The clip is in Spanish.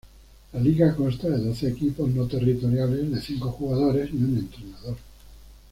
La liga consta de doce equipos no territoriales de cinco jugadores y un entrenador.